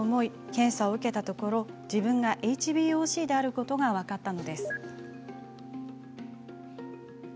検査を受けたところ自分がＨＢＯＣであることが分かったのです。